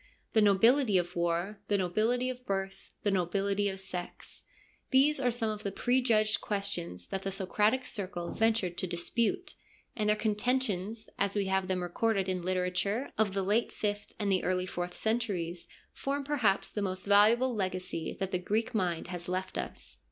The nobility of war, the nobility of birth, the nobility of sex : these are some of the prejudged questions that the Socratic Circle ventured to dispute, and their con tentions, as we have them recorded in the literature of the late fifth and the early fourth centuries, form perhaps the most valuable legacy that the Greek mind has left us.